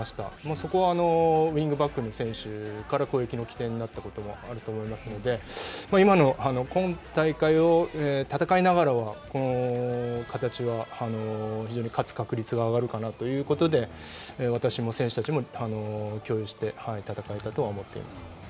そこはウイングバックの選手から攻撃の起点になったこともあると思いますので、今の今大会を戦いながらこの形は非常に勝つ確率が上がるかなということで、私も選手たちも共有して戦えたとは思っています。